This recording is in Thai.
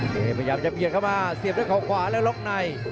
เคพยายามจะเปลี่ยนเข้ามาเสียบด้วยค่าขวาและล๊อกใน